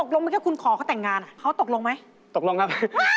แล้วนางเอกคนนั้นมาไหมผู้หญิงคนนั้น